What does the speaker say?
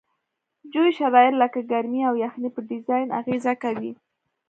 جوي شرایط لکه ګرمي او یخنۍ په ډیزاین اغیزه کوي